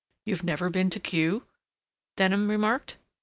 "You've never been to Kew?" Denham remarked.